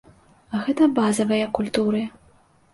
А гэта базавыя культуры.